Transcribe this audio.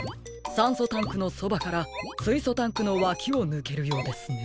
さんそタンクのそばからすいそタンクのわきをぬけるようですね。